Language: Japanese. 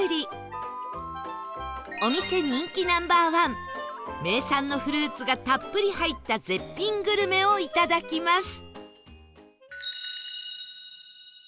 お店人気 Ｎｏ．１ 名産のフルーツがたっぷり入った絶品グルメをいただきます